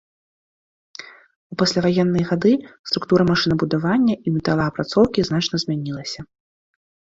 У пасляваенныя гады структура машынабудавання і металаапрацоўкі значна змянілася.